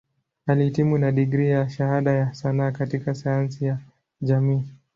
Alihitimu na digrii ya Shahada ya Sanaa katika Sayansi ya Jamii.